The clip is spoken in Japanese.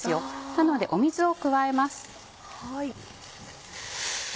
なので水を加えます。